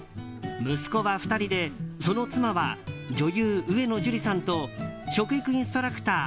息子は２人でその妻は女優・上野樹里さんと食育インストラクター